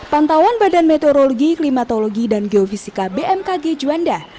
pantauan badan meteorologi klimatologi dan geofisika bmkg juanda